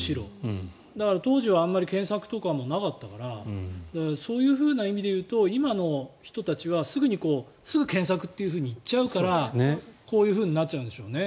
当時はあまり検索とかもなかったからそういう意味で言うと今の人たちはすぐ検索といっちゃうからこういうふうになっちゃうんでしょうね。